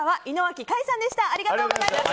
ありがとうございます。